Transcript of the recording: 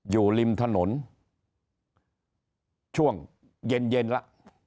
อยู่ริมถนนช่วงเย็นละ